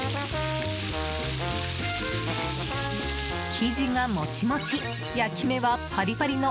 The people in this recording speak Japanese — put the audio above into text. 生地がモチモチ焼き目はパリパリの